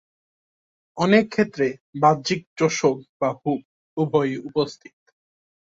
অনেক ক্ষেত্রে বাহ্যিক চোষক বা হুক বা উভয়ই উপস্থিত।